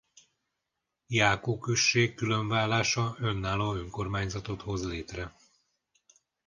Jákó község különválása önálló önkormányzatot hoz létre.